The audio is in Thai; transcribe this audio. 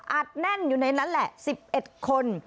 แน่นอยู่ในนั้นแหละ๑๑คน